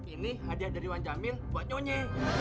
ini hadiah dari wan jamin buat nyonya